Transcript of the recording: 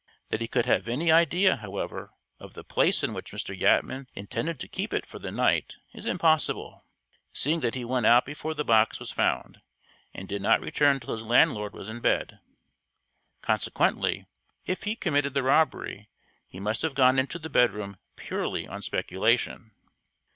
That he could have had any idea, however, of the place in which Mr. Yatman intended to keep it for the night is impossible, seeing that he went out before the box was found, and did not return till his landlord was in bed. Consequently, if he committed the robbery, he must have gone into the bedroom purely on speculation.